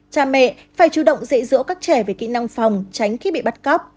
cha mẹ phải chủ động dạy dỗ các trẻ về kỹ năng phòng tránh khi bị bắt cóc